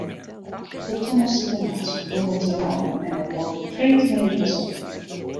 De tongersdeitenachts begûn it te reinen en dat hold op freedtemiddei pas op.